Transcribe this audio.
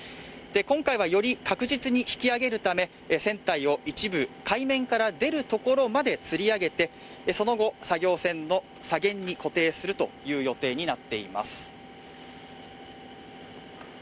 今回はより確実に引き揚げるため船体を一部海面から出るところまでつり上げて、その後、作業船の左舷に固定する予定になっています。